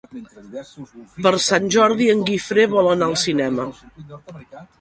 Per Sant Jordi en Guifré vol anar al cinema.